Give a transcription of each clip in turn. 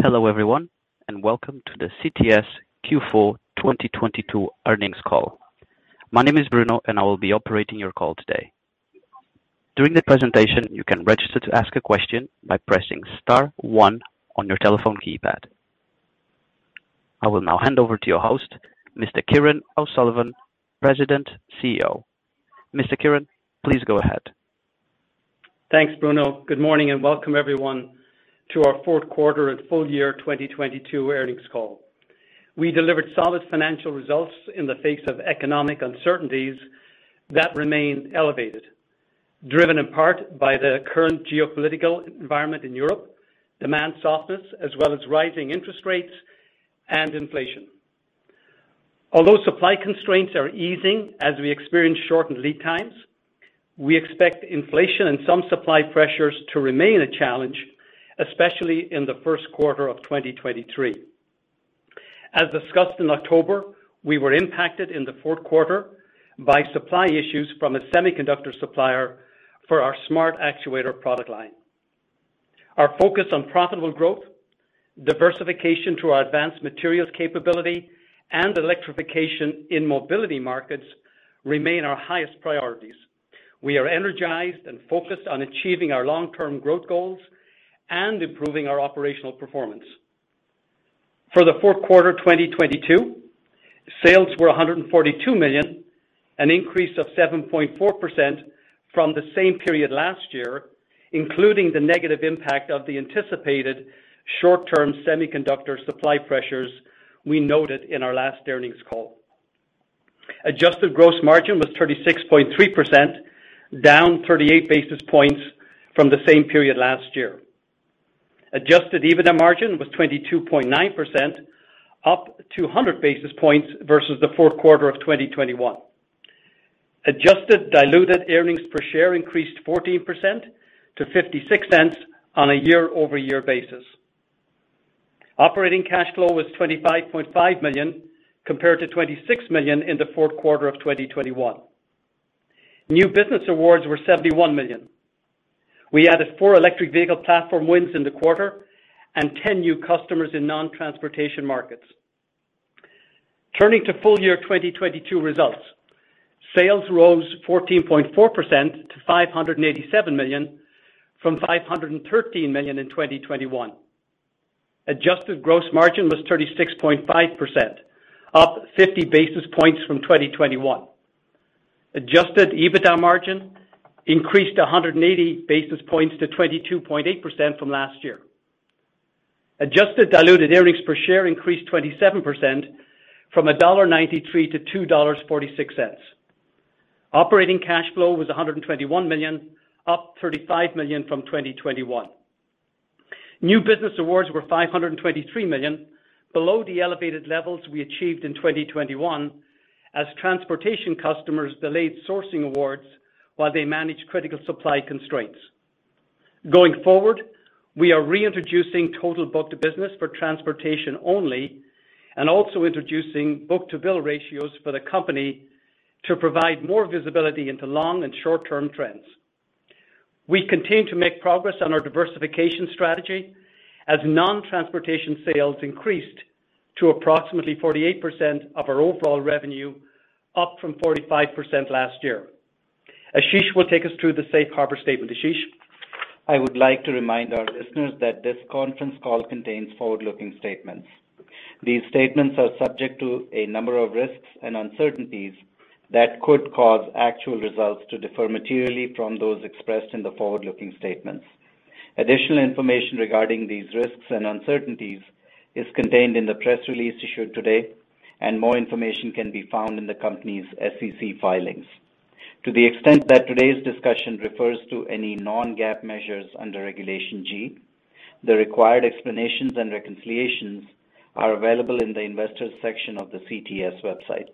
Hello everyone, and welcome to the CTS Q4 2022 earnings call. My name is Bruno and I will be operating your call today. During the presentation, you can register to ask a question by pressing star one on your telephone keypad. I will now hand over to your host, Mr. Kieran O'Sullivan, President CEO. Mr. Kieran, please go ahead. Thanks, Bruno. Good morning and welcome everyone to our fourth quarter and full year 2022 earnings call. We delivered solid financial results in the face of economic uncertainties that remain elevated, driven in part by the current geopolitical environment in Europe, demand softness, as well as rising interest rates and inflation. Although supply constraints are easing as we experience shortened lead times, we expect inflation and some supply pressures to remain a challenge, especially in the first quarter of 2023. As discussed in October, we were impacted in the fourth quarter by supply issues from a semiconductor supplier for our Smart Actuators product line. Our focus on profitable growth, diversification through our advanced materials capability and electrification in mobility markets remain our highest priorities. We are energized and focused on achieving our long-term growth goals and improving our operational performance. For the fourth quarter 2022, sales were $142 million, an increase of 7.4% from the same period last year, including the negative impact of the anticipated short-term semiconductor supply pressures we noted in our last earnings call. Adjusted gross margin was 36.3%, down 38 basis points from the same period last year. Adjusted EBITDA margin was 22.9%, up to 100 basis points versus the fourth quarter of 2021. Adjusted diluted earnings per share increased 14% to $0.56 on a year-over-year basis. Operating cash flow was $25.5 million compared to $26 million in the fourth quarter of 2021. New business awards were $71 million. We added four electric vehicle platform wins in the quarter and 10 new customers in non-transportation markets. Turning to full year 2022 results. Sales rose 14.4% to $587 million from $513 million in 2021. Adjusted gross margin was 36.5%, up 50 basis points from 2021. Adjusted EBITDA margin increased 180 basis points to 22.8% from last year. Adjusted diluted earnings per share increased 27% from $1.93 to $2.46. Operating cash flow was $121 million, up $35 million from 2021. New business awards were $523 million, below the elevated levels we achieved in 2021 as transportation customers delayed sourcing awards while they managed critical supply constraints. Going forward, we are reintroducing total book to business for transportation only, and also introducing book-to-bill ratios for the company to provide more visibility into long and short-term trends. We continue to make progress on our diversification strategy as non-transportation sales increased to approximately 48% of our overall revenue, up from 45% last year. Ashish will take us through the Safe Harbor statement. Ashish. I would like to remind our listeners that this conference call contains forward-looking statements. These statements are subject to a number of risks and uncertainties that could cause actual results to differ materially from those expressed in the forward-looking statements. Additional information regarding these risks and uncertainties is contained in the press release issued today, and more information can be found in the company's SEC filings. To the extent that today's discussion refers to any non-GAAP measures under Regulation G, the required explanations and reconciliations are available in the investors section of the CTS website.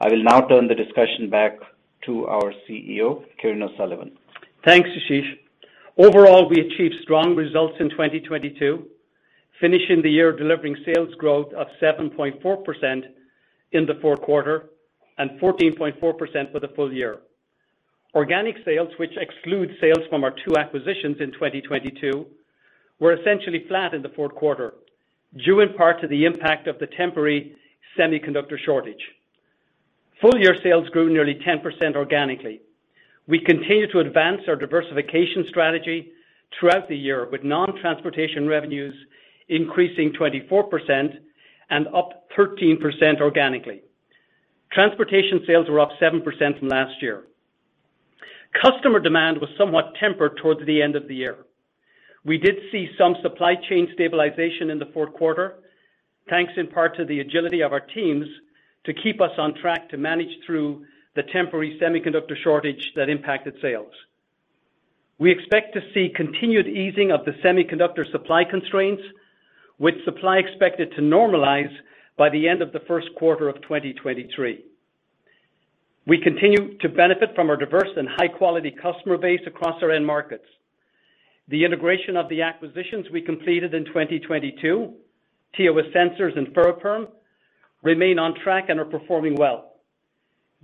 I will now turn the discussion back to our CEO, Kieran O'Sullivan. Thanks, Ashish. Overall, we achieved strong results in 2022, finishing the year delivering sales growth of 7.4% in the fourth quarter and 14.4% for the full year. Organic sales, which excludes sales from our two acquisitions in 2022, were essentially flat in the fourth quarter, due in part to the impact of the temporary semiconductor shortage. Full year sales grew nearly 10% organically. We continue to advance our diversification strategy throughout the year, with non-transportation revenues increasing 24% and up 13% organically. Transportation sales were up 7% from last year. Customer demand was somewhat tempered towards the end of the year. We did see some supply chain stabilization in the fourth quarter, thanks in part to the agility of our teams to keep us on track to manage through the temporary semiconductor shortage that impacted sales. We expect to see continued easing of the semiconductor supply constraints, with supply expected to normalize by the end of the first quarter of 2023. We continue to benefit from our diverse and high-quality customer base across our end markets. The integration of the acquisitions we completed in 2022, TEWA Sensors and Ferroperm, remain on track and are performing well.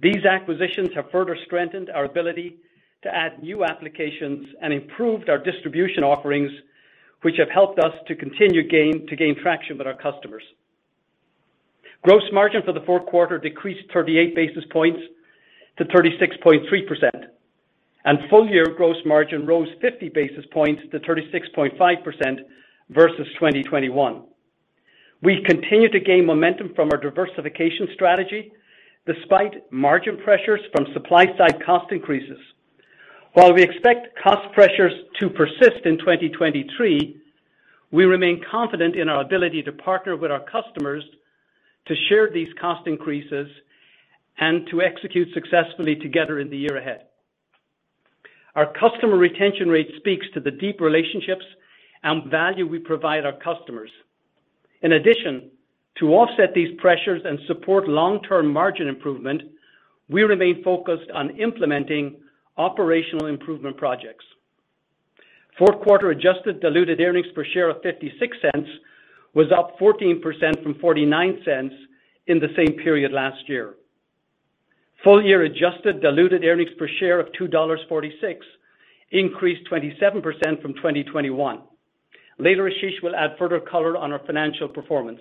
These acquisitions have further strengthened our ability to add new applications and improved our distribution offerings, which have helped us to gain traction with our customers. Gross margin for the fourth quarter decreased 38 basis points to 36.3%, and full year gross margin rose 50 basis points to 36.5% versus 2021. We continue to gain momentum from our diversification strategy despite margin pressures from supply side cost increases. While we expect cost pressures to persist in 2023, we remain confident in our ability to partner with our customers to share these cost increases and to execute successfully together in the year ahead. Our customer retention rate speaks to the deep relationships and value we provide our customers. To offset these pressures and support long-term margin improvement, we remain focused on implementing operational improvement projects. Fourth quarter adjusted diluted earnings per share of $0.56 was up 14% from $0.49 in the same period last year. Full year adjusted diluted earnings per share of $2.46 increased 27% from 2021. Later, Ashish will add further color on our financial performance.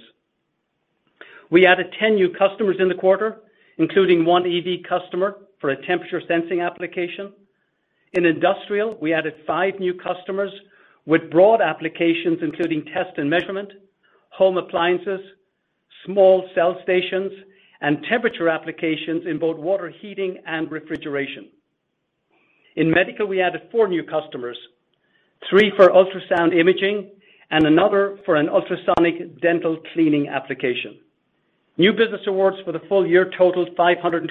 We added 10 new customers in the quarter, including one EV customer for a temperature sensing application. In industrial, we added five new customers with broad applications, including test and measurement, home appliances, small cell stations, and temperature applications in both water heating and refrigeration. In medical, we added four new customers, three for ultrasound imaging and another for an ultrasonic dental cleaning application. New business awards for the full year totaled $523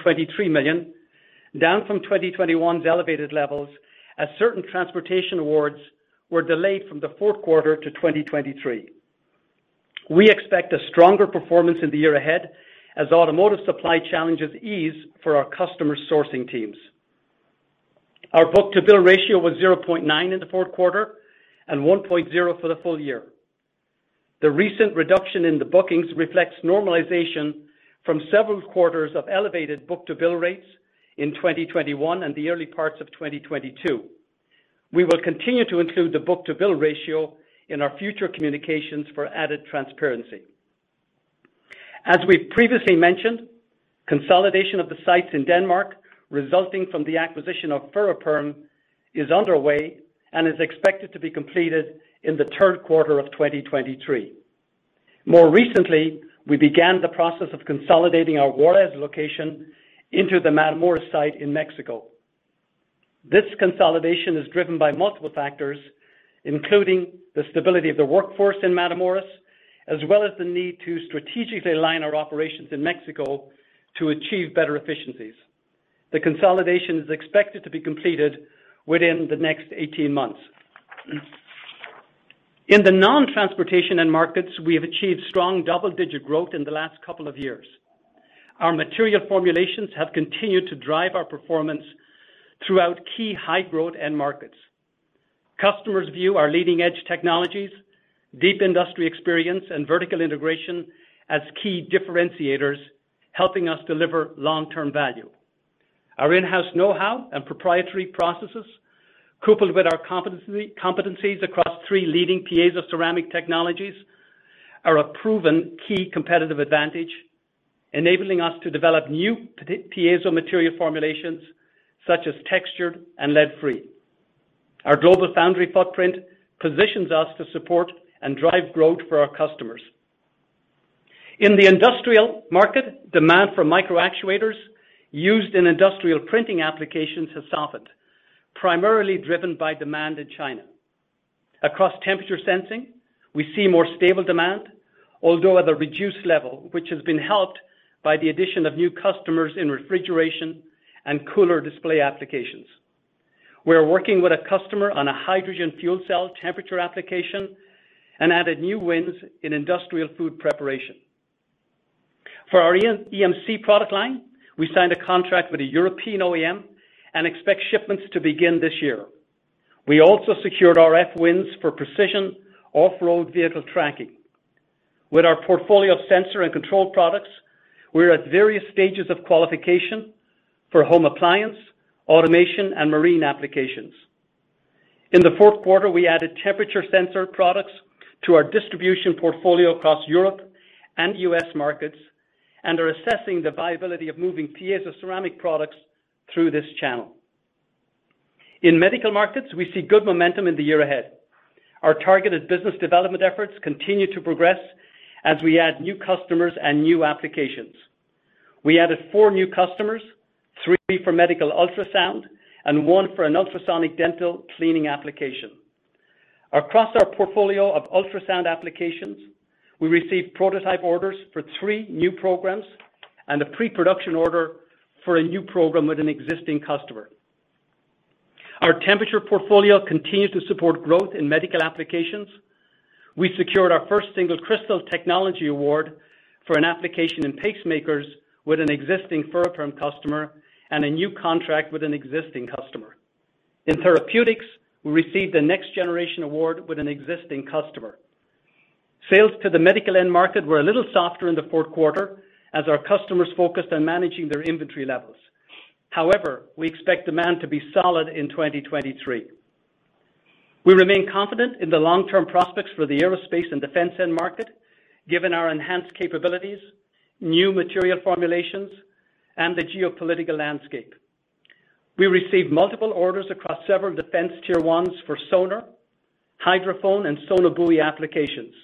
million, down from 2021's elevated levels as certain transportation awards were delayed from the fourth quarter to 2023. We expect a stronger performance in the year ahead as automotive supply challenges ease for our customer sourcing teams. Our book-to-bill ratio was 0.9 in the fourth quarter and 1.0 for the full year. The recent reduction in the bookings reflects normalization from several quarters of elevated book-to-bill rates in 2021 and the early parts of 2022. We will continue to include the book-to-bill ratio in our future communications for added transparency. As we've previously mentioned, consolidation of the sites in Denmark resulting from the acquisition of Ferroperm is underway and is expected to be completed in the third quarter of 2023. More recently, we began the process of consolidating our Juárez location into the Matamoros site in Mexico. This consolidation is driven by multiple factors, including the stability of the workforce in Matamoros, as well as the need to strategically align our operations in Mexico to achieve better efficiencies. The consolidation is expected to be completed within the next 18 months. In the non-transportation end markets, we have achieved strong double-digit growth in the last couple of years. Our material formulations have continued to drive our performance throughout key high growth end markets. Customers view our leading edge technologies, deep industry experience, and vertical integration as key differentiators, helping us deliver long-term value. Our in-house know-how and proprietary processes, coupled with our competencies across three leading piezoceramic technologies, are a proven key competitive advantage, enabling us to develop new piezo material formulations such as textured and lead-free. Our global foundry footprint positions us to support and drive growth for our customers. In the industrial market, demand for micro actuators used in industrial printing applications has softened, primarily driven by demand in China. Across temperature sensing, we see more stable demand, although at a reduced level, which has been helped by the addition of new customers in refrigeration and cooler display applications. We are working with a customer on a hydrogen fuel cell temperature application and added new wins in industrial food preparation. For our EMC product line, we signed a contract with a European OEM and expect shipments to begin this year. We also secured RF wins for precision off-road vehicle tracking. With our portfolio of sensor and control products, we are at various stages of qualification for home appliance, automation, and marine applications. In the fourth quarter, we added temperature sensor products to our distribution portfolio across Europe and U.S. markets and are assessing the viability of moving piezoceramic products through this channel. In medical markets, we see good momentum in the year ahead. Our targeted business development efforts continue to progress as we add new customers and new applications. We added four new customers, three for medical ultrasound and one for an ultrasonic dental cleaning application. Across our portfolio of ultrasound applications, we received prototype orders for three new programs and a pre-production order for a new program with an existing customer. Our temperature portfolio continues to support growth in medical applications. We secured our first single crystal technology award for an application in pacemakers with an existing Ferroperm customer and a new contract with an existing customer. In therapeutics, we received a next generation award with an existing customer. Sales to the medical end market were a little softer in the fourth quarter as our customers focused on managing their inventory levels. We expect demand to be solid in 2023. We remain confident in the long-term prospects for the aerospace and defense end market, given our enhanced capabilities, new material formulations, and the geopolitical landscape. We received multiple orders across several defense Tier ones for sonar, hydrophone, and sonobuoy applications.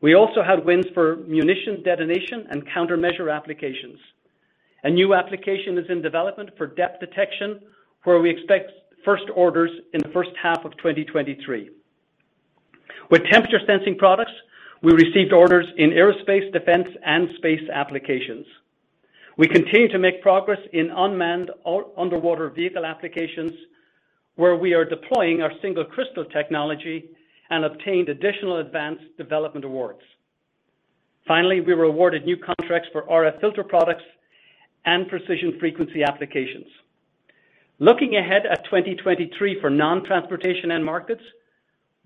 We also had wins for munition detonation and countermeasure applications. A new application is in development for depth detection, where we expect first orders in the first half of 2023. With temperature sensing products, we received orders in aerospace, defense, and space applications. We continue to make progress in unmanned underwater vehicle applications, where we are deploying our single crystal technology and obtained additional advanced development awards. Finally, we were awarded new contracts for RF filter products and precision frequency applications. Looking ahead at 2023 for non-transportation end markets,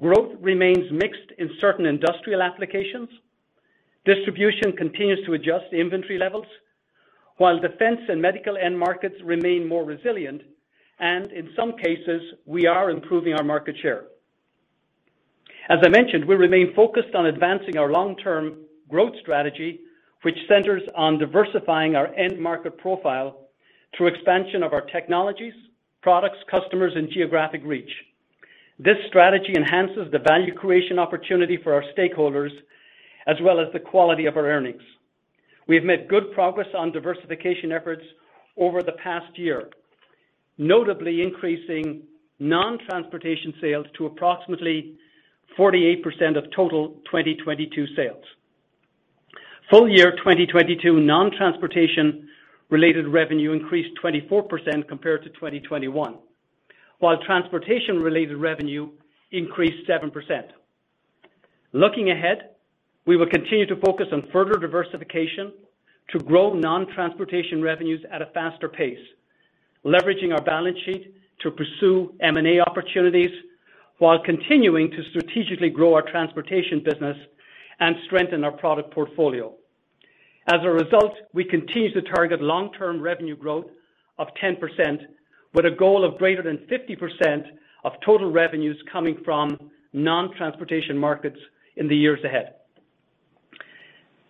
growth remains mixed in certain industrial applications. Distribution continues to adjust the inventory levels, while defense and medical end markets remain more resilient, and in some cases, we are improving our market share. As I mentioned, we remain focused on advancing our long-term growth strategy, which centers on diversifying our end market profile through expansion of our technologies, products, customers, and geographic reach. This strategy enhances the value creation opportunity for our stakeholders, as well as the quality of our earnings. We have made good progress on diversification efforts over the past year, notably increasing non-transportation sales to approximately 48% of total 2022 sales. Full year, 2022 non-transportation related revenue increased 24% compared to 2021, while transportation-related revenue increased 7%. Looking ahead, we will continue to focus on further diversification to grow non-transportation revenues at a faster pace, leveraging our balance sheet to pursue M&A opportunities while continuing to strategically grow our transportation business and strengthen our product portfolio. As a result, we continue to target long-term revenue growth of 10% with a goal of greater than 50% of total revenues coming from non-transportation markets in the years ahead.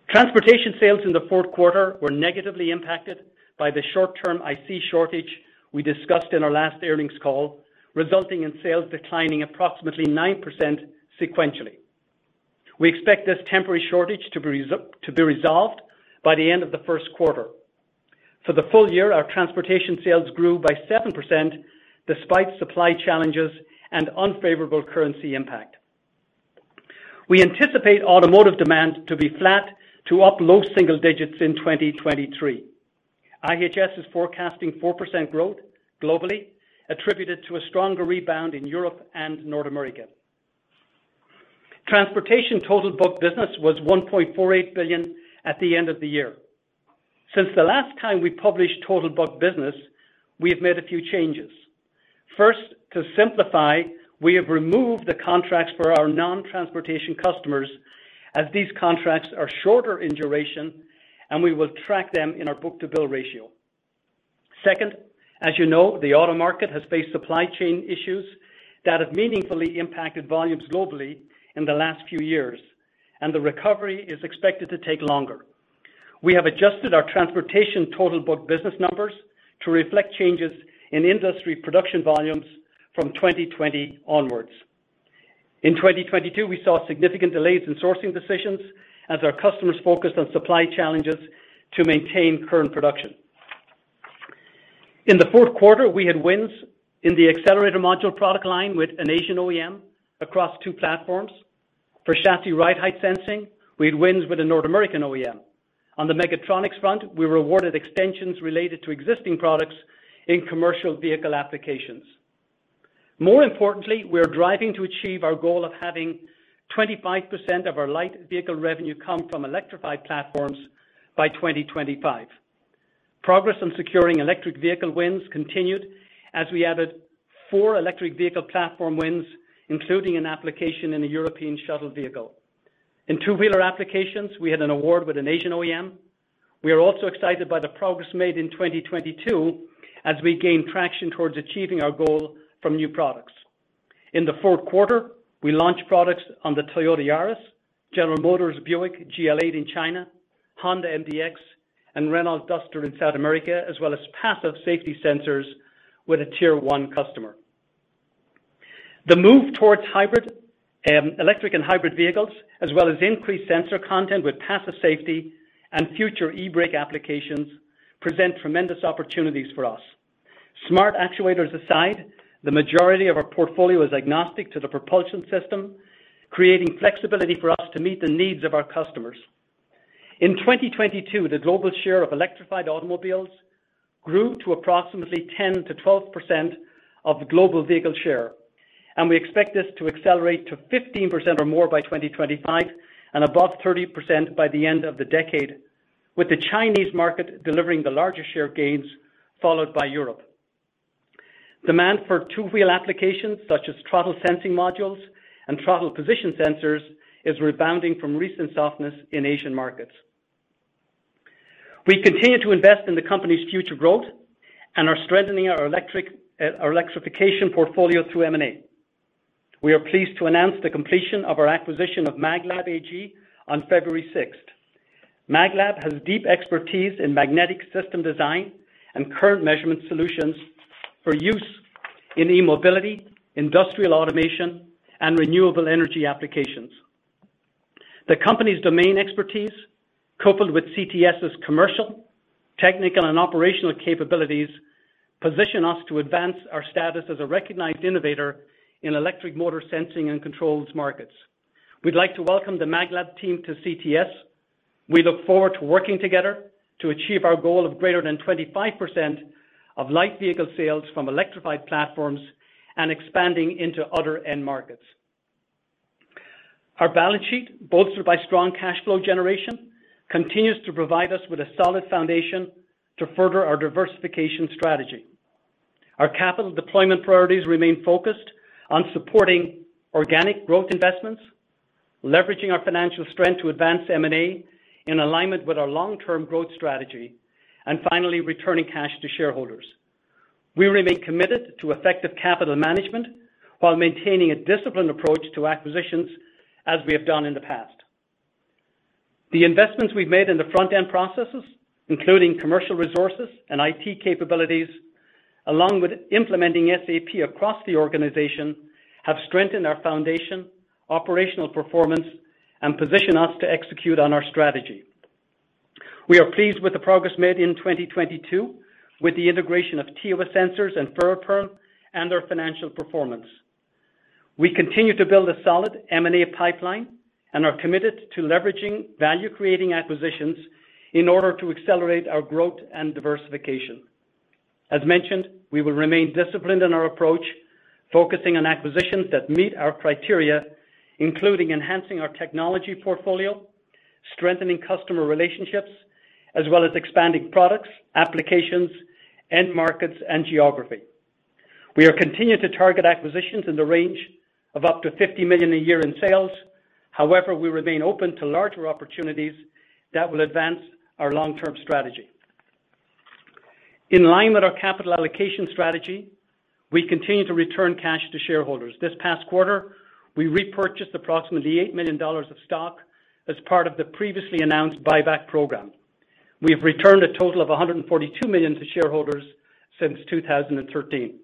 Transportation sales in the fourth quarter were negatively impacted by the short-term IC shortage we discussed in our last earnings call, resulting in sales declining approximately 9% sequentially. We expect this temporary shortage to be resolved by the end of the first quarter. For the full year, our transportation sales grew by 7% despite supply challenges and unfavorable currency impact. We anticipate automotive demand to be flat to up low single digits in 2023. IHS is forecasting 4% growth globally, attributed to a stronger rebound in Europe and North America. Transportation total book business was $1.48 billion at the end of the year. Since the last time we published total book business, we have made a few changes. First, to simplify, we have removed the contracts for our non-transportation customers as these contracts are shorter in duration, and we will track them in our book-to-bill ratio. Second, as you know, the auto market has faced supply chain issues that have meaningfully impacted volumes globally in the last few years. The recovery is expected to take longer. We have adjusted our transportation total book business numbers to reflect changes in industry production volumes from 2020 onwards. In 2022, we saw significant delays in sourcing decisions as our customers focused on supply challenges to maintain current production. In the fourth quarter, we had wins in the accelerator module product line with an Asian OEM across two platforms. For chassis ride height sensing, we had wins with a North American OEM. On the Mechatronics front, we were awarded extensions related to existing products in commercial vehicle applications. More importantly, we are driving to achieve our goal of having 25% of our light vehicle revenue come from electrified platforms by 2025. Progress on securing electric vehicle wins continued as we added four electric vehicle platform wins, including an application in a European shuttle vehicle. In two-wheeler applications, we had an award with an Asian OEM. We are also excited by the progress made in 2022 as we gain traction towards achieving our goal from new products. In the fourth quarter, we launched products on the Toyota Yaris, General Motors Buick GL8 in China, Honda MDX, and Renault Duster in South America, as well as passive safety sensors with a Tier one customer. The move towards hybrid, electric and hybrid vehicles, as well as increased sensor content with passive safety and future e-brake applications present tremendous opportunities for us. Smart Actuators aside, the majority of our portfolio is agnostic to the propulsion system, creating flexibility for us to meet the needs of our customers. In 2022, the global share of electrified automobiles grew to approximately 10%-12% of the global vehicle share, and we expect this to accelerate to 15% or more by 2025 and above 30% by the end of the decade, with the Chinese market delivering the largest share gains, followed by Europe. Demand for two-wheel applications, such as throttle sensing modules and throttle position sensors, is rebounding from recent softness in Asian markets. We continue to invest in the company's future growth and are strengthening our electrification portfolio through M&A. We are pleased to announce the completion of our acquisition of maglab AG on February 6th. Maglab has deep expertise in magnetic system design and current measurement solutions for use in e-mobility, industrial automation, and renewable energy applications. The company's domain expertise, coupled with CTS's commercial, technical, and operational capabilities, position us to advance our status as a recognized innovator in electric motor sensing and controls markets. We'd like to welcome the maglab team to CTS. We look forward to working together to achieve our goal of greater than 25% of light vehicle sales from electrified platforms and expanding into other end markets. Our balance sheet, bolstered by strong cash flow generation, continues to provide us with a solid foundation to further our diversification strategy. Our capital deployment priorities remain focused on supporting organic growth investments, leveraging our financial strength to advance M&A in alignment with our long-term growth strategy, and finally, returning cash to shareholders. We remain committed to effective capital management while maintaining a disciplined approach to acquisitions as we have done in the past. The investments we've made in the front-end processes, including commercial resources and IT capabilities, along with implementing SAP across the organization, have strengthened our foundation, operational performance, and position us to execute on our strategy. We are pleased with the progress made in 2022 with the integration of TEWA Sensors and Ferroperm and their financial performance. We continue to build a solid M&A pipeline and are committed to leveraging value-creating acquisitions in order to accelerate our growth and diversification. As mentioned, we will remain disciplined in our approach, focusing on acquisitions that meet our criteria, including enhancing our technology portfolio, strengthening customer relationships, as well as expanding products, applications, end markets, and geography. We are continued to target acquisitions in the range of up to $50 million a year in sales. We remain open to larger opportunities that will advance our long-term strategy. In line with our capital allocation strategy, we continue to return cash to shareholders. This past quarter, we repurchased approximately $8 million of stock as part of the previously announced buyback program. We have returned a total of $142 million to shareholders since 2013.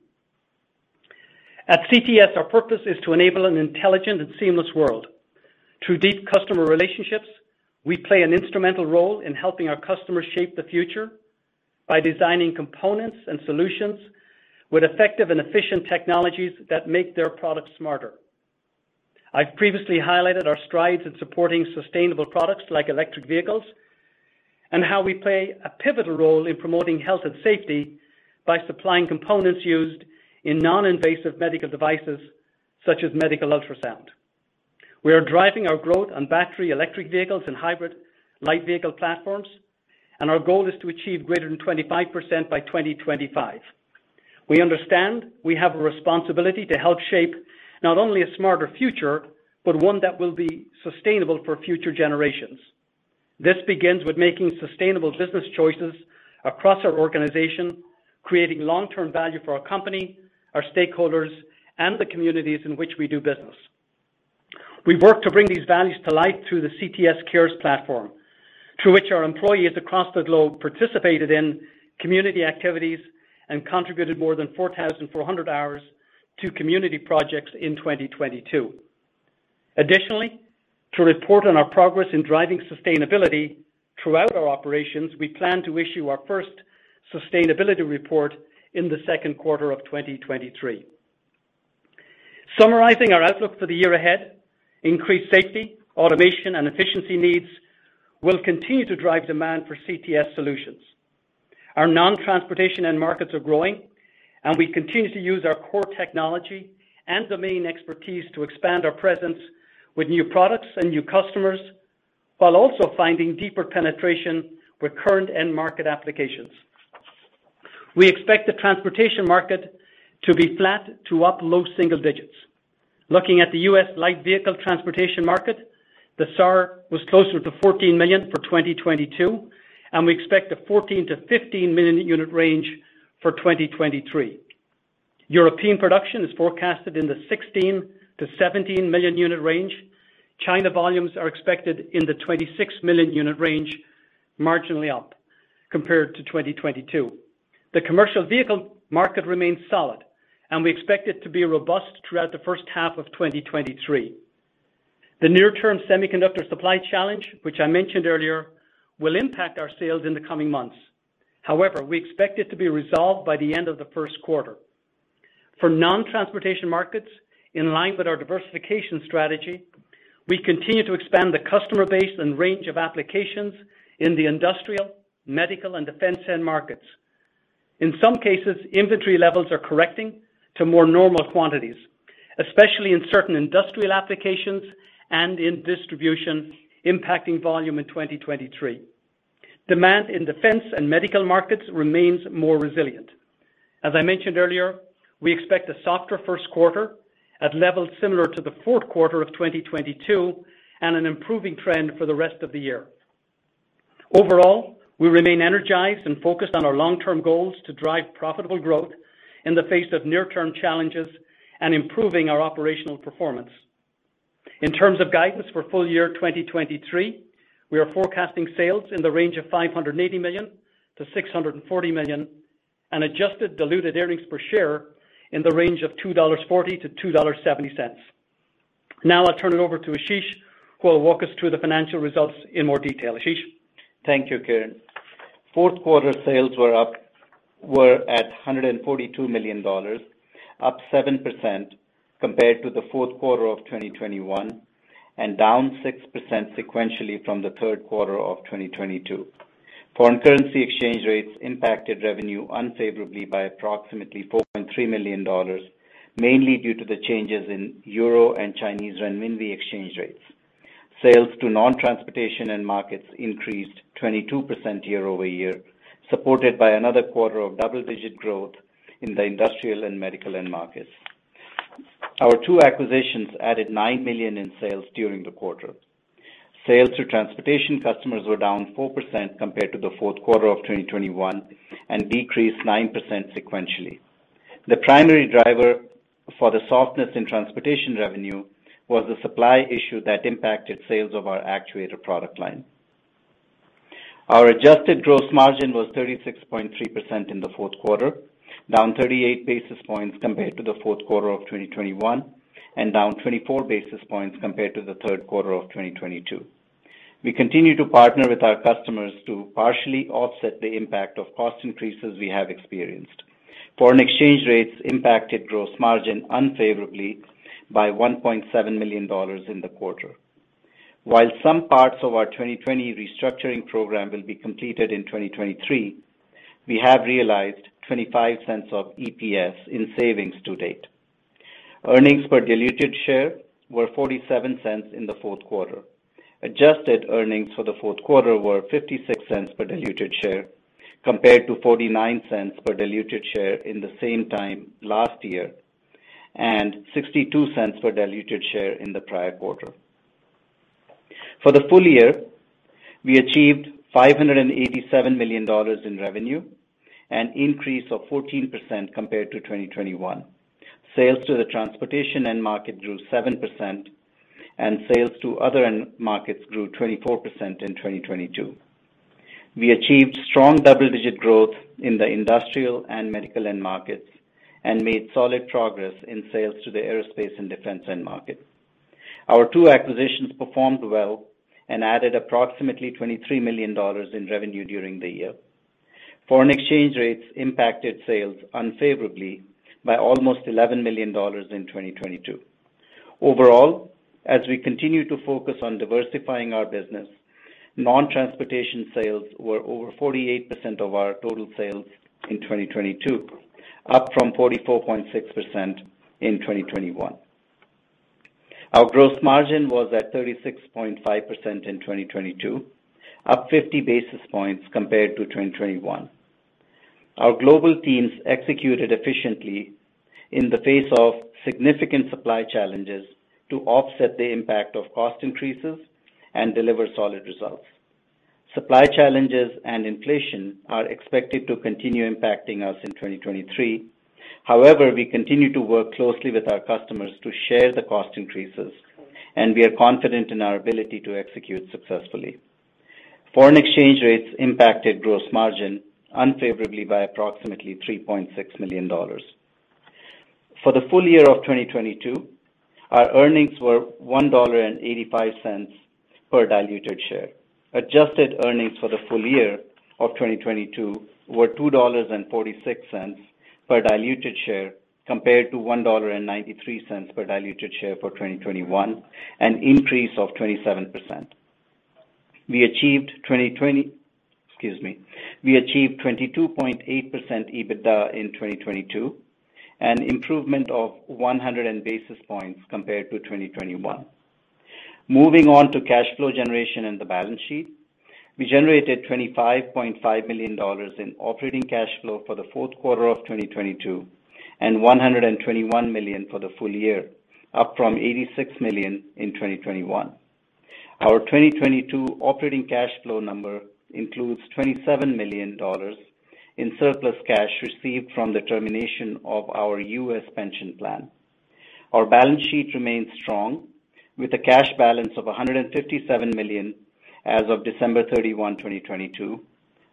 At CTS, our purpose is to enable an intelligent and seamless world. Through deep customer relationships, we play an instrumental role in helping our customers shape the future by designing components and solutions with effective and efficient technologies that make their products smarter. I've previously highlighted our strides in supporting sustainable products like electric vehicles, and how we play a pivotal role in promoting health and safety by supplying components used in non-invasive medical devices such as medical ultrasound. We are driving our growth on battery, electric vehicles and hybrid light vehicle platforms. Our goal is to achieve greater than 25% by 2025. We understand we have a responsibility to help shape not only a smarter future, but one that will be sustainable for future generations. This begins with making sustainable business choices across our organization, creating long-term value for our company, our stakeholders, and the communities in which we do business. We work to bring these values to light through the CTS Cares platform, through which our employees across the globe participated in community activities and contributed more than 4,400 hours to community projects in 2022. Additionally, to report on our progress in driving sustainability throughout our operations, we plan to issue our first sustainability report in the second quarter of 2023. Summarizing our outlook for the year ahead, increased safety, automation, and efficiency needs will continue to drive demand for CTS solutions. Our non-transportation end markets are growing, and we continue to use our core technology and domain expertise to expand our presence with new products and new customers, while also finding deeper penetration with current end market applications. We expect the transportation market to be flat to up low single digits. Looking at the U.S. light vehicle transportation market, the SAAR was closer to 14 million for 2022, and we expect a 14 million-15 million unit range for 2023. European production is forecasted in the 16 million-17 million unit range. China volumes are expected in the 26 million unit range, marginally up compared to 2022. The commercial vehicle market remains solid, and we expect it to be robust throughout the first half of 2023. The near-term semiconductor supply challenge, which I mentioned earlier, will impact our sales in the coming months. However, we expect it to be resolved by the end of the first quarter. For non-transportation markets, in line with our diversification strategy, we continue to expand the customer base and range of applications in the industrial, medical, and defense end markets. In some cases, inventory levels are correcting to more normal quantities, especially in certain industrial applications and in distribution impacting volume in 2023. Demand in defense and medical markets remains more resilient. As I mentioned earlier, we expect a softer first quarter at levels similar to the fourth quarter of 2022 and an improving trend for the rest of the year. Overall, we remain energized and focused on our long-term goals to drive profitable growth in the face of near-term challenges and improving our operational performance. In terms of guidance for full year 2023, we are forecasting sales in the range of $580 million-$640 million, and adjusted diluted earnings per share in the range of $2.40-$2.70. I'll turn it over to Ashish who will walk us through the financial results in more detail. Ashish. Thank you, Kieran. Fourth quarter sales were at $142 million, up 7% compared to the fourth quarter of 2021, down 6% sequentially from the third quarter of 2022. Foreign currency exchange rates impacted revenue unfavorably by approximately $4.3 million, mainly due to the changes in Euro and Chinese renminbi exchange rates. Sales to non-transportation end markets increased 22% year-over-year, supported by another quarter of double-digit growth in the industrial and medical end markets. Our two acquisitions added $9 million in sales during the quarter. Sales to transportation customers were down 4% compared to the fourth quarter of 2021, decreased 9% sequentially. The primary driver for the softness in transportation revenue was the supply issue that impacted sales of our actuator product line. Our adjusted gross margin was 36.3% in the fourth quarter, down 38 basis points compared to the fourth quarter of 2021, and down 24 basis points compared to the third quarter of 2022. We continue to partner with our customers to partially offset the impact of cost increases we have experienced. Foreign exchange rates impacted gross margin unfavorably by $1.7 million in the quarter. While some parts of our 2020 restructuring program will be completed in 2023, we have realized $0.25 of EPS in savings to date. Earnings per diluted share were $0.47 in the fourth quarter. Adjusted earnings for the fourth quarter were $0.56 per diluted share, compared to $0.49 per diluted share in the same time last year, and $0.62 per diluted share in the prior quarter. For the full year, we achieved $587 million in revenue, an increase of 14% compared to 2021. Sales to the transportation end market grew 7%, and sales to other end markets grew 24% in 2022. We achieved strong double-digit growth in the industrial and medical end markets and made solid progress in sales to the aerospace and defense end markets. Our two acquisitions performed well and added approximately $23 million in revenue during the year. Foreign exchange rates impacted sales unfavorably by almost $11 million in 2022. Overall, as we continue to focus on diversifying our business, non-transportation sales were over 48% of our total sales in 2022, up from 44.6% in 2021. Our gross margin was at 36.5% in 2022, up 50 basis points compared to 2021. Our global teams executed efficiently in the face of significant supply challenges to offset the impact of cost increases and deliver solid results. Supply challenges and inflation are expected to continue impacting us in 2023. We continue to work closely with our customers to share the cost increases, and we are confident in our ability to execute successfully. Foreign exchange rates impacted gross margin unfavorably by approximately $3.6 million. For the full year of 2022, our earnings were $1.85 per diluted share. Adjusted earnings for the full year of 2022 were $2.46 per diluted share, compared to $1.93 per diluted share for 2021, an increase of 27%. Excuse me. We achieved 22.8% EBITDA in 2022, an improvement of 100 basis points compared to 2021. Moving on to cash flow generation and the balance sheet. We generated $25.5 million in operating cash flow for the fourth quarter of 2022, and $121 million for the full year, up from $86 million in 2021. Our 2022 operating cash flow number includes $27 million in surplus cash received from the termination of our U.S. pension plan. Our balance sheet remains strong, with a cash balance of $157 million as of December 31, 2022,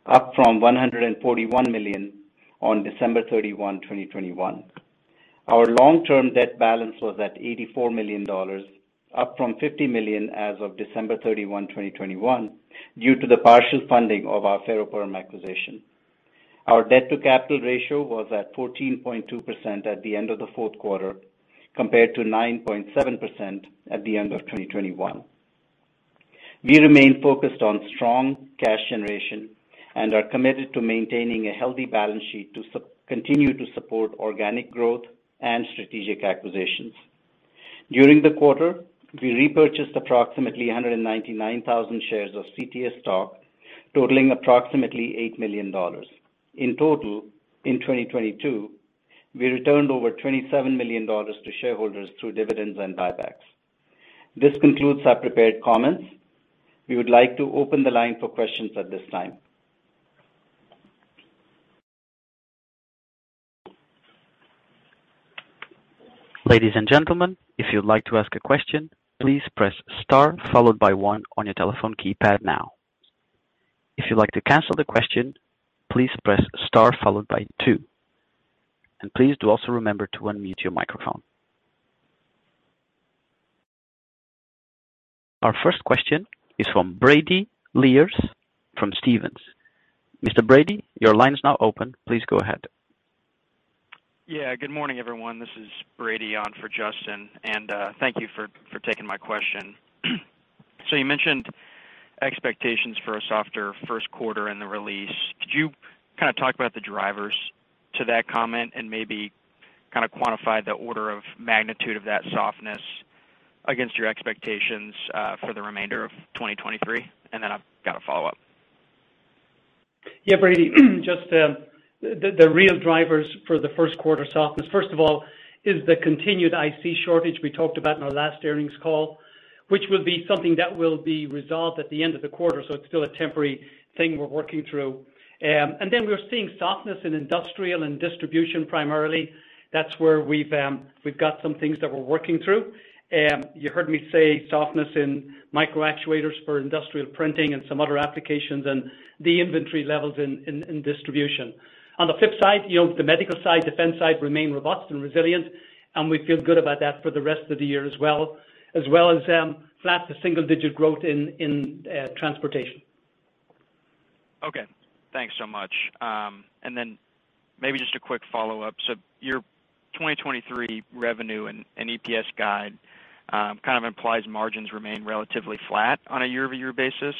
up from $141 million on December 31, 2021. Our long-term debt balance was at $84 million, up from $50 million as of December 31, 2021, due to the partial funding of our Ferroperm acquisition. Our debt-to-capital ratio was at 14.2% at the end of the fourth quarter, compared to 9.7% at the end of 2021. We remain focused on strong cash generation and are committed to maintaining a healthy balance sheet to continue to support organic growth and strategic acquisitions. During the quarter, we repurchased approximately 199,000 shares of CTS stock, totaling approximately $8 million. In total, in 2022, we returned over $27 million to shareholders through dividends and buybacks. This concludes our prepared comments. We would like to open the line for questions at this time. Ladies and gentlemen, if you'd like to ask a question, please press star followed by one on your telephone keypad now. If you'd like to cancel the question, please press star followed by two. Please do also remember to unmute your microphone. Our first question is from Brady Lierz from Stephens. Mr. Brady, your line is now open. Please go ahead. Yeah, good morning, everyone. This is Brady on for Justin. Thank you for taking my question. You mentioned expectations for a softer first quarter in the release. Could you kinda talk about the drivers to that comment and maybe kinda quantify the order of magnitude of that softness against your expectations for the remainder of 2023? I've got a follow-up. Yeah, Brady, just the real drivers for the first quarter softness, first of all, is the continued IC shortage we talked about in our last earnings call, which will be something that will be resolved at the end of the quarter. It's still a temporary thing we're working through. Then we're seeing softness in industrial and distribution primarily. That's where we've got some things that we're working through. You heard me say softness in micro actuators for industrial printing and some other applications and the inventory levels in distribution. On the fifth side, you know, the medical side, defense side remain robust and resilient, and we feel good about that for the rest of the year as well. As well as flat to single-digit growth in transportation. Okay, thanks so much. Maybe just a quick follow-up. Your 2023 revenue and EPS guide kind of implies margins remain relatively flat on a year-over-year basis.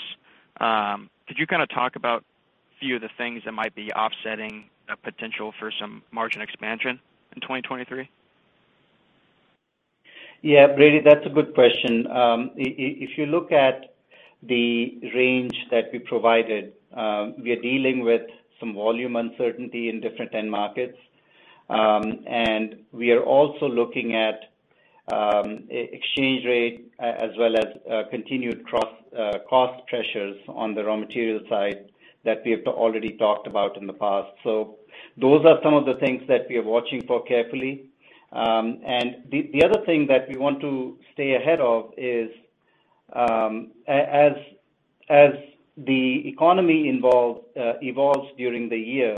Could you kind of talk about a few of the things that might be offsetting a potential for some margin expansion in 2023? Yeah, Brady, that's a good question. If you look at the range that we provided, we are dealing with some volume uncertainty in different end markets. We are also looking at exchange rate as well as continued cost pressures on the raw material side that we have already talked about in the past. Those are some of the things that we are watching for carefully. The other thing that we want to stay ahead of is as the economy evolves during the year,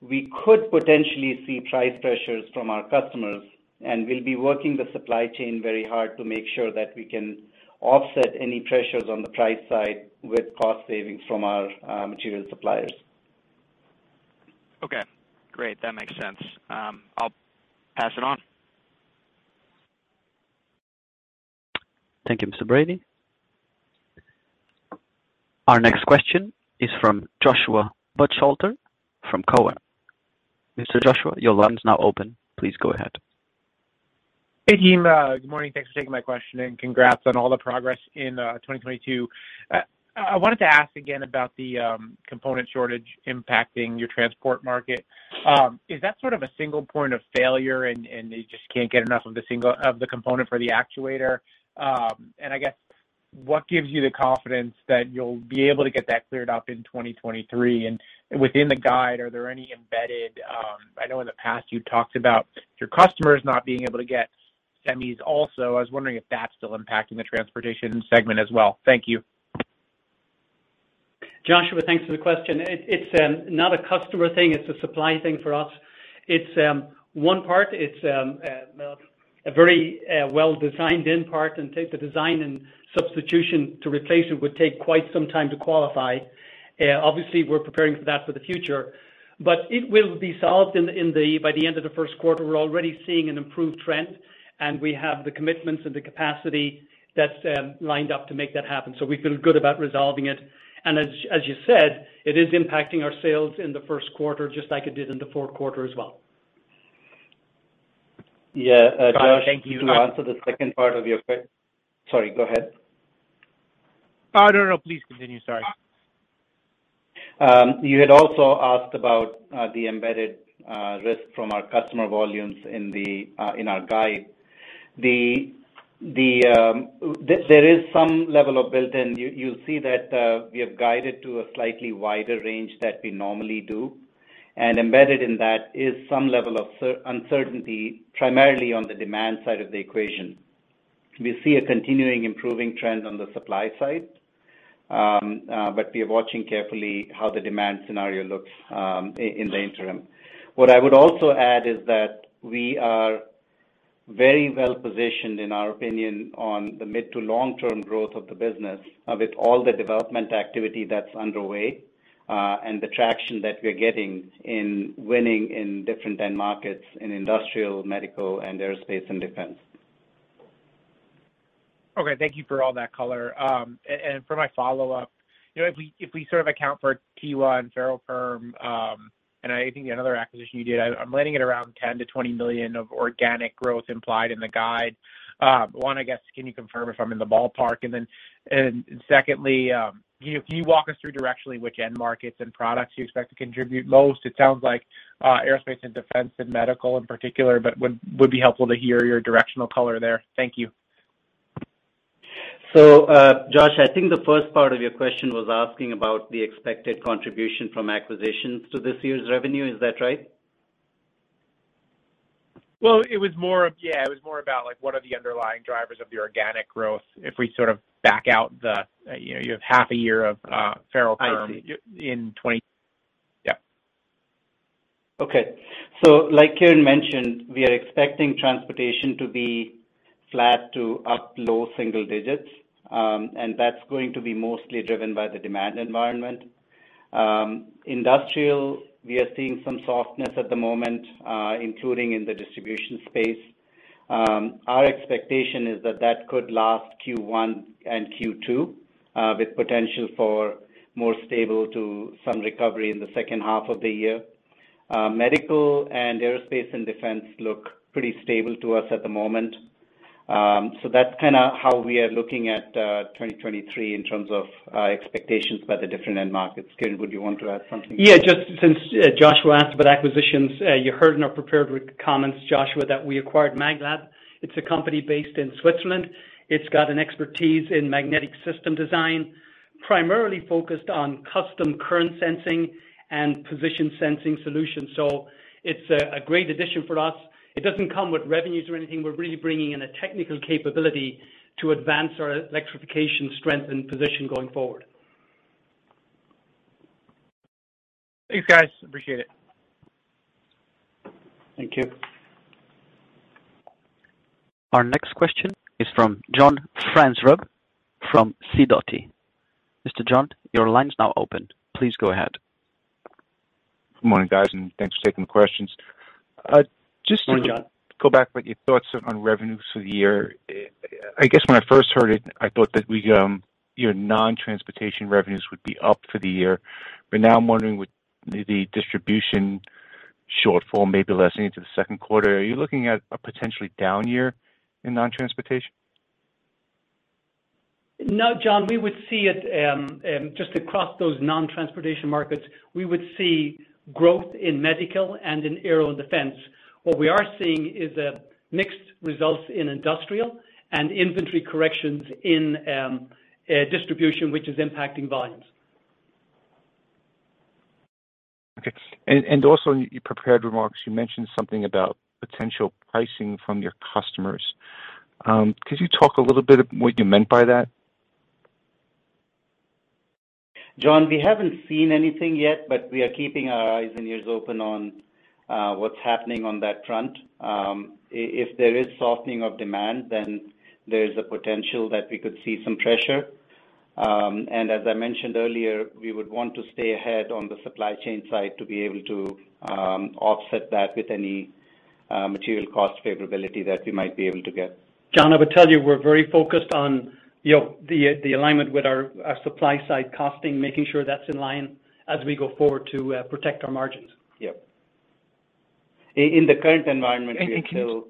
we could potentially see price pressures from our customers, and we'll be working the supply chain very hard to make sure that we can offset any pressures on the price side with cost savings from our material suppliers. Okay, great. That makes sense. I'll pass it on. Thank you, Mr. Brady. Our next question is from Joshua Buchalter from Cowen. Mr. Joshua, your line is now open. Please go ahead. Hey, team, good morning. Thanks for taking my question. Congrats on all the progress in 2022. I wanted to ask again about the component shortage impacting your transport market. Is that sort of a single point of failure and they just can't get enough of the component for the actuator? I guess what gives you the confidence that you'll be able to get that cleared up in 2023? Within the guide, are there any embedded... I know in the past you talked about your customers not being able to get semis also. I was wondering if that's still impacting the transportation segment as well. Thank you. Joshua, thanks for the question. It's not a customer thing, it's a supply thing for us. It's one part. It's a very well designed end part, and take the design and substitution to replace it would take quite some time to qualify. Obviously we're preparing for that for the future, but it will be solved by the end of the first quarter. We're already seeing an improved trend, and we have the commitments and the capacity that's lined up to make that happen. We feel good about resolving it. As you said, it is impacting our sales in the first quarter just like it did in the fourth quarter as well. Yeah. Got it. Thank you. Sorry, go ahead. Oh, no. Please continue. Sorry. You had also asked about the embedded risk from our customer volumes in our guide. There is some level of built-in. You'll see that we have guided to a slightly wider range than we normally do. Embedded in that is some level of uncertainty, primarily on the demand side of the equation. We see a continuing improving trend on the supply side, but we are watching carefully how the demand scenario looks in the interim. What I would also add is that we are very well positioned, in our opinion, on the mid to long-term growth of the business, with all the development activity that's underway, and the traction that we're getting in winning in different end markets in industrial, medical, and aerospace and defense. Okay, thank you for all that color. and for my follow-up, you know, if we sort of account for Q1 Ferroperm, and I think another acquisition you did, I'm landing it around $10 million-$20 million of organic growth implied in the guide. One, I guess, can you confirm if I'm in the ballpark? Secondly, can you walk us through directionally which end markets and products you expect to contribute most? It sounds like aerospace and defense and medical in particular, but would be helpful to hear your directional color there. Thank you. Josh, I think the first part of your question was asking about the expected contribution from acquisitions to this year's revenue. Is that right? Well, it was more of... Yeah, it was more about like, what are the underlying drivers of the organic growth if we sort of back out the, you know, you have half a year of, Ferroperm... I see. In 20... Yeah. Okay. Like Kieran mentioned, we are expecting transportation to be flat to up low single digits. That's going to be mostly driven by the demand environment. Industrial, we are seeing some softness at the moment, including in the distribution space. Our expectation is that that could last Q1 and Q2, with potential for more stable to some recovery in the second half of the year. Medical and aerospace and defense look pretty stable to us at the moment. That's kinda how we are looking at 2023 in terms of expectations by the different end markets. Kieran, would you want to add something? Yeah, just since Joshua asked about acquisitions, you heard in our prepared comments, Joshua, that we acquired Maglab. It's a company based in Switzerland. It's got an expertise in magnetic system design, primarily focused on custom current sensing and position sensing solutions. It's a great addition for us. It doesn't come with revenues or anything. We're really bringing in a technical capability to advance our electrification strength and position going forward. Thanks, guys. Appreciate it. Thank you. Our next question is from John Franzreb from Sidoti & Company, LLC. Mr. John, your line is now open. Please go ahead. Good morning, guys, and thanks for taking the questions. Morning, John. Go back with your thoughts on revenues for the year. I guess when I first heard it, I thought that we, your non-transportation revenues would be up for the year. Now I'm wondering with the distribution shortfall, maybe lessening into the second quarter, are you looking at a potentially down year in non-transportation? No, John, we would see it just across those non-transportation markets, we would see growth in medical and in aero and defense. What we are seeing is a mixed results in industrial and inventory corrections in distribution, which is impacting volumes. Okay. Also in your prepared remarks, you mentioned something about potential pricing from your customers. Could you talk a little bit what you meant by that? John, we haven't seen anything yet, but we are keeping our eyes and ears open on what's happening on that front. If there is softening of demand, then there's a potential that we could see some pressure. As I mentioned earlier, we would want to stay ahead on the supply chain side to be able to offset that with any material cost favorability that we might be able to get. John, I would tell you we're very focused on, you know, the alignment with our supply side costing, making sure that's in line as we go forward to protect our margins. Yeah. In the current environment, we are still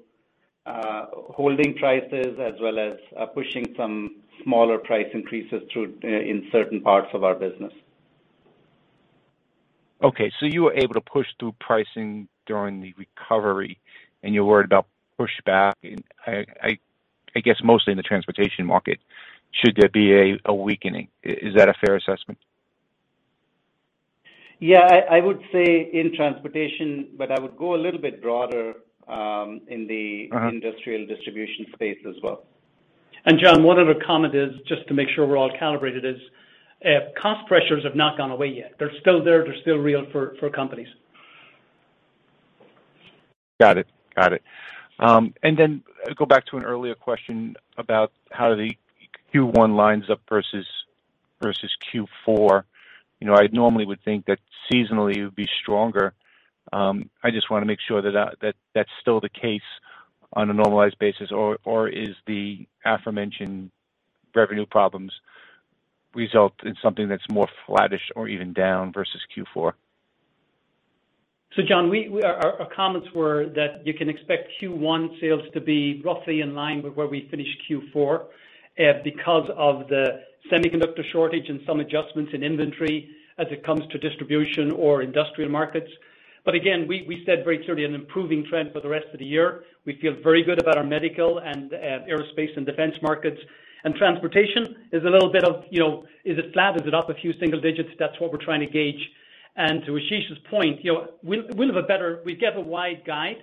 holding prices as well as pushing some smaller price increases through in certain parts of our business. You were able to push through pricing during the recovery and you're worried about pushback in, I guess mostly in the transportation market, should there be a weakening? Is that a fair assessment? Yeah. I would say in transportation, but I would go a little bit broader. Uh-huh. Industrial distribution space as well. John, one other comment is, just to make sure we're all calibrated, is, cost pressures have not gone away yet. They're still there. They're still real for companies. Got it. Got it. Go back to an earlier question about how the Q1 lines up versus Q4. You know, I normally would think that seasonally it would be stronger. I just wanna make sure that's still the case on a normalized basis. Is the aforementioned revenue problems result in something that's more flattish or even down versus Q4? John, our comments were that you can expect Q1 sales to be roughly in line with where we finished Q4, because of the semiconductor shortage and some adjustments in inventory as it comes to distribution or industrial markets. Again, we said very clearly an improving trend for the rest of the year. We feel very good about our medical and aerospace and defense markets. Transportation is a little bit of, you know, is it flat? Is it up a few single digits? That's what we're trying to gauge. To Ashish's point, you know, we'll have a better. We gave a wide guide,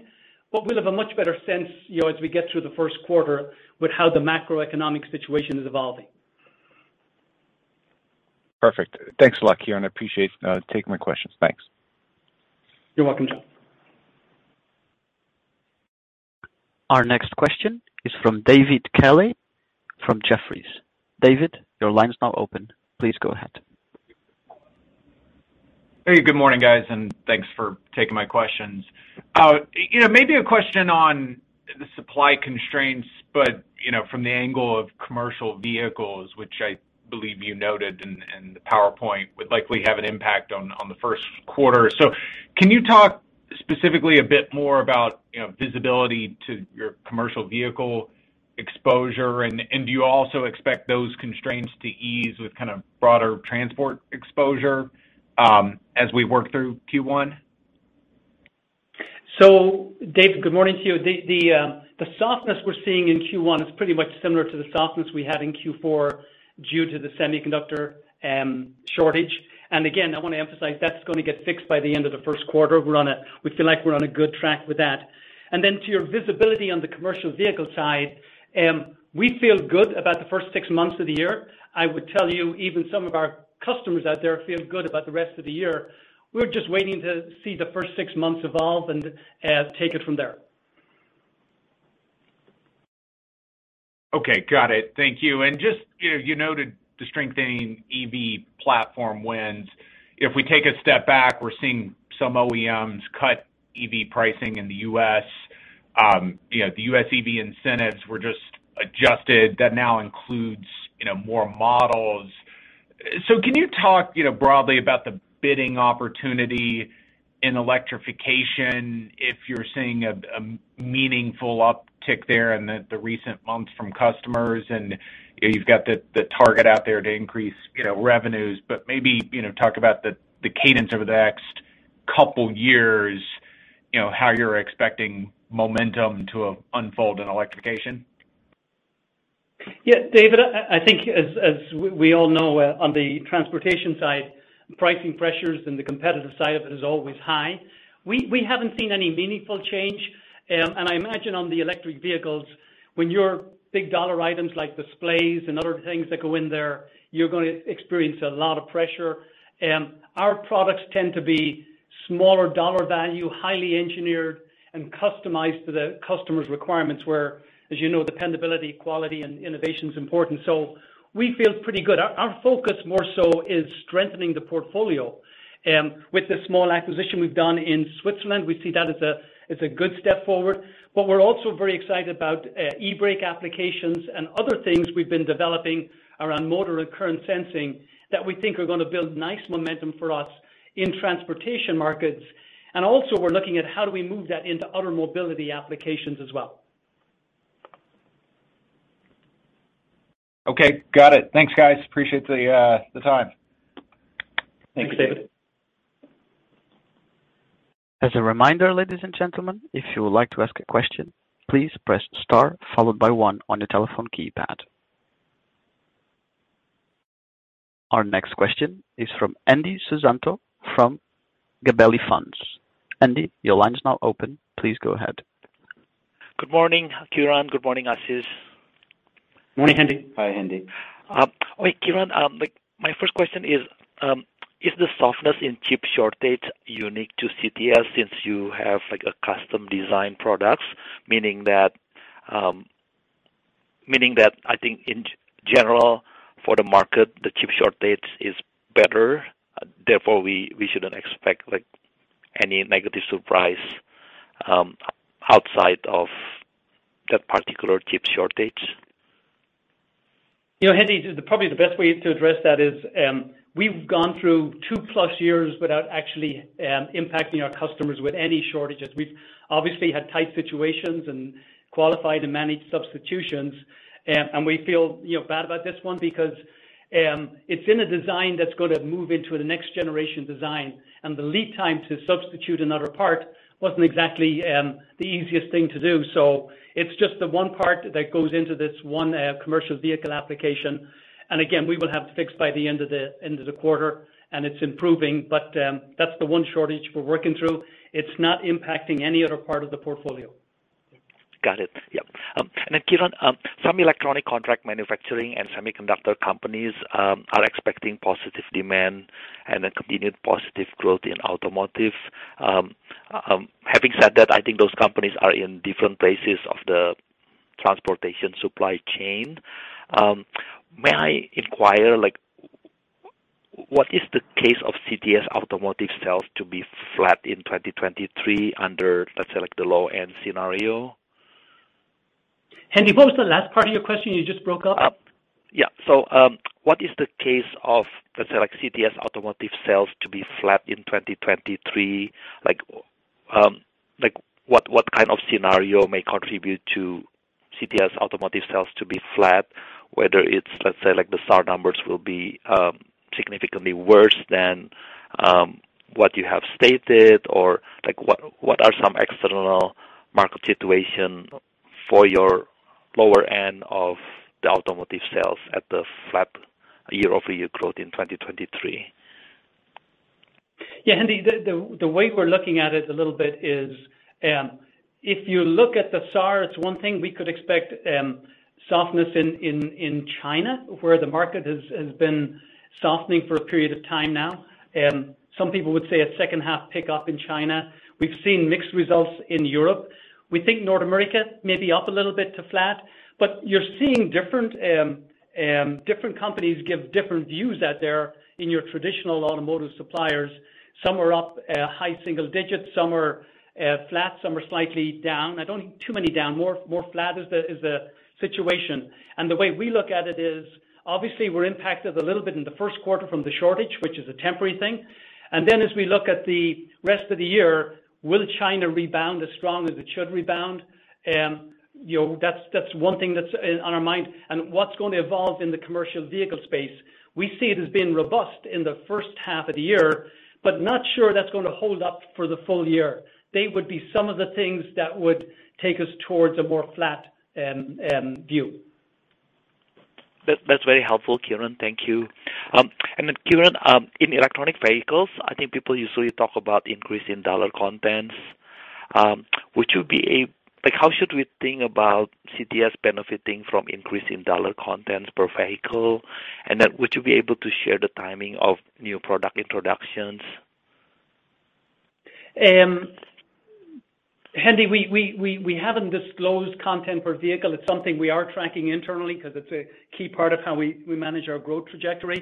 but we'll have a much better sense, you know, as we get through the first quarter with how the macroeconomic situation is evolving. Perfect. Thanks a lot, Kieran. I appreciate taking my questions. Thanks. You're welcome, John. Our next question is from David Kelley from Jefferies. David, your line is now open. Please go ahead. Hey, good morning, guys, and thanks for taking my questions. you know, maybe a question on the supply constraints, but, you know, from the angle of commercial vehicles, which I believe you noted in the PowerPoint, would likely have an impact on the first quarter. Can you talk specifically a bit more about, you know, visibility to your commercial vehicle exposure? Do you also expect those constraints to ease with kind of broader transport exposure, as we work through Q1? Dave, good morning to you. The softness we're seeing in Q1 is pretty much similar to the softness we had in Q4 due to the semiconductor shortage. Again, I wanna emphasize, that's gonna get fixed by the end of the first quarter. We feel like we're on a good track with that. Then to your visibility on the commercial vehicle side, we feel good about the first six months of the year. I would tell you, even some of our customers out there feel good about the rest of the year. We're just waiting to see the first six months evolve and take it from there. Okay. Got it. Thank you. Just, you know, you noted the strengthening EV platform wins. If we take a step back, we're seeing some OEMs cut EV pricing in the U.S. You know, the U.S. EV incentives were just adjusted that now includes, you know, more models. Can you talk, you know, broadly about the bidding opportunity in electrification, if you're seeing a meaningful uptick there in the recent months from customers, and you've got the target out there to increase, you know, revenues, but maybe, you know, talk about the cadence over the next couple years, you know, how you're expecting momentum to unfold in electrification? Yeah, David, I think as we all know, on the transportation side, pricing pressures and the competitive side of it is always high. We haven't seen any meaningful change. I imagine on the electric vehicles, when your big dollar items like displays and other things that go in there, you're gonna experience a lot of pressure. Our products tend to be smaller dollar value, highly engineered and customized to the customer's requirements, where, as you know, dependability, quality and innovation is important. We feel pretty good. Our focus more so is strengthening the portfolio, with the small acquisition we've done in Switzerland. We see that as a good step forward. We're also very excited about e-brake applications and other things we've been developing around motor and current sensing that we think are gonna build nice momentum for us in transportation markets. Also we're looking at how do we move that into other mobility applications as well. Okay. Got it. Thanks, guys. Appreciate the time. Thanks, David. As a reminder, ladies and gentlemen, if you would like to ask a question, please press star followed by one on your telephone keypad. Our next question is from Hendi Susanto from Gabelli Funds. Hendi, your line is now open. Please go ahead. Good morning, Kieran. Good morning, Ashish. Morning, Hendi. Hi, Hendi. Wait, Kieran, like, my first question is the softness in chip shortage unique to CTS since you have, like, a custom design products? Meaning that I think in general for the market, the chip shortage is better, therefore we shouldn't expect, like, any negative surprise, outside of that particular chip shortage. You know, Hendi, probably the best way to address that is, we've gone through 2-plus years without actually impacting our customers with any shortages. We've obviously had tight situations and qualified and managed substitutions, and we feel, you know, bad about this one because it's in a design that's gonna move into the next generation design, and the lead time to substitute another part wasn't exactly the easiest thing to do. It's just the one part that goes into this one commercial vehicle application. Again, we will have it fixed by the end of the quarter, and it's improving. That's the one shortage we're working through. It's not impacting any other part of the portfolio. Got it. Yep. Kieran, some electronic contract manufacturing and semiconductor companies are expecting positive demand and a continued positive growth in automotive. Having said that, I think those companies are in different places of the transportation supply chain. May I inquire, like, what is the case of CTS automotive sales to be flat in 2023 under, let's say, like, the low-end scenario? Hendi, what was the last part of your question? You just broke up. Yeah. What is the case of, let's say, like, CTS automotive sales to be flat in 2023? like, what kind of scenario may contribute to CTS automotive sales to be flat, whether it's, let's say, like, the SAAR numbers will be significantly worse than what you have stated, or, like, what are some external market situation for your lower end of the automotive sales at the flat year-over-year growth in 2023? Yeah, Hendi, the way we're looking at it a little bit is, if you look at the SAAR, it's one thing we could expect softness in China, where the market has been softening for a period of time now. Some people would say a second half pickup in China. We've seen mixed results in Europe. We think North America may be up a little bit to flat, but you're seeing different companies give different views out there in your traditional automotive suppliers. Some are up high single digits, some are flat, some are slightly down. I don't think too many down. More flat is the situation. The way we look at it is, obviously we're impacted a little bit in the first quarter from the shortage, which is a temporary thing. As we look at the rest of the year, will China rebound as strong as it should rebound? You know, that's one thing that's on our mind. What's going to evolve in the commercial vehicle space? We see it as being robust in the first half of the year, but not sure that's gonna hold up for the full year. They would be some of the things that would take us towards a more flat view. That's very helpful, Kieran. Thank you. Kieran, in electronic vehicles, I think people usually talk about increase in dollar contents. Like, how should we think about CTS benefiting from increase in dollar contents per vehicle? Would you be able to share the timing of new product introductions? Hendi, we haven't disclosed content per vehicle. It's something we are tracking internally 'cause it's a key part of how we manage our growth trajectory.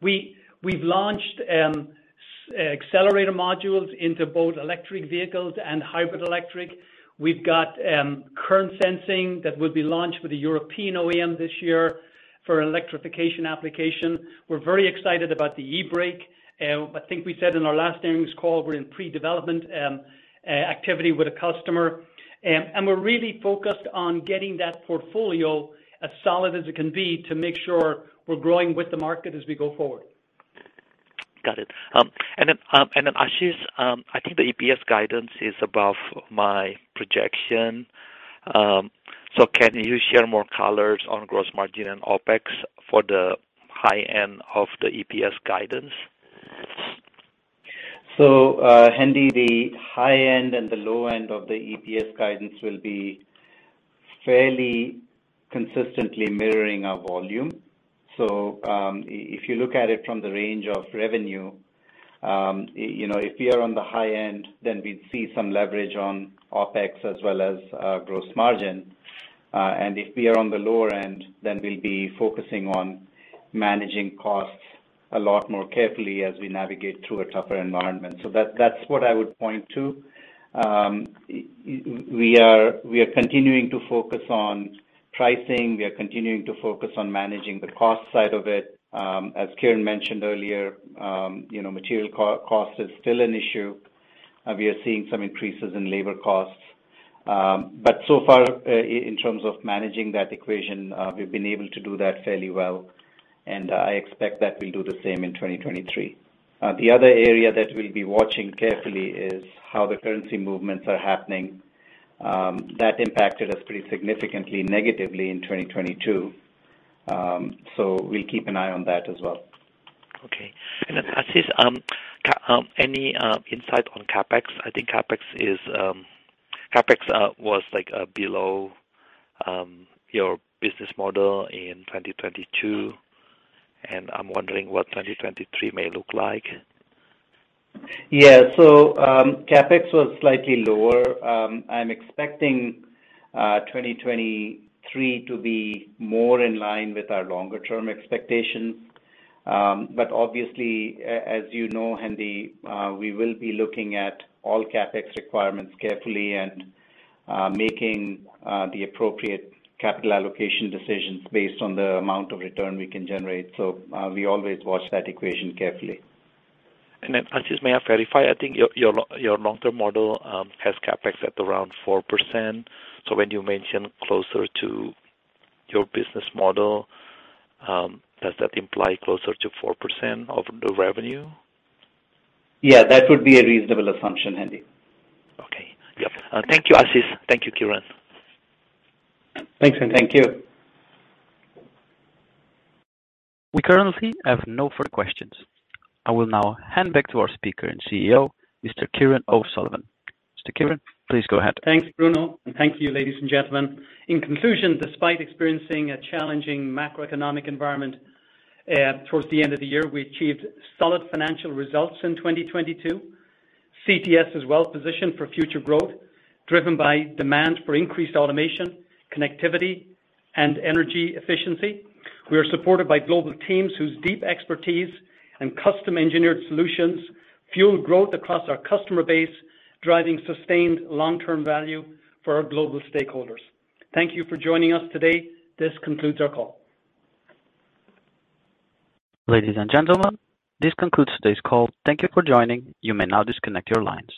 We've launched Accelerator modules into both electric vehicles and hybrid electric. We've got current sensing that will be launched with a European OEM this year for electrification application. We're very excited about the e-brake. I think we said in our last earnings call we're in pre-development activity with a customer. We're really focused on getting that portfolio as solid as it can be to make sure we're growing with the market as we go forward. Got it. Ashish, I think the EPS guidance is above my projection. Can you share more colors on gross margin and OpEx for the high end of the EPS guidance? Hendi, the high end and the low end of the EPS guidance will be fairly consistently mirroring our volume. If you look at it from the range of revenue, you know, if we are on the high end, we'd see some leverage on OpEx as well as gross margin. If we are on the lower end, we'll be focusing on managing costs a lot more carefully as we navigate through a tougher environment. That's what I would point to. We are continuing to focus on pricing. We are continuing to focus on managing the cost side of it. As Kieran mentioned earlier, you know, material cost is still an issue. We are seeing some increases in labor costs. So far, in terms of managing that equation, we've been able to do that fairly well, I expect that we'll do the same in 2023. The other area that we'll be watching carefully is how the currency movements are happening. That impacted us pretty significantly negatively in 2022. We'll keep an eye on that as well. Okay. Ashish, any insight on CapEx? I think CapEx was like below your business model in 2022, and I'm wondering what 2023 may look like. CapEx was slightly lower. I'm expecting 2023 to be more in line with our longer term expectations. Obviously, as you know, Hendi, we will be looking at all CapEx requirements carefully and making the appropriate capital allocation decisions based on the amount of return we can generate. We always watch that equation carefully. Ashish, may I verify, I think your long-term model has CapEx at around 4%. When you mention closer to your business model, does that imply closer to 4% of the revenue? Yeah, that would be a reasonable assumption, Hendi. Okay. Yep. Thank you, Ashish. Thank you, Kieran. Thanks, Hendi. Thank you. We currently have no further questions. I will now hand back to our speaker and CEO, Mr. Kieran O'Sullivan. Mr. Kieran, please go ahead. Thanks, Bruno. Thank you, ladies and gentlemen. In conclusion, despite experiencing a challenging macroeconomic environment towards the end of the year, we achieved solid financial results in 2022. CTS is well positioned for future growth, driven by demand for increased automation, connectivity, and energy efficiency. We are supported by global teams whose deep expertise and custom-engineered solutions fuel growth across our customer base, driving sustained long-term value for our global stakeholders. Thank you for joining us today. This concludes our call. Ladies and gentlemen, this concludes today's call. Thank you for joining. You may now disconnect your lines.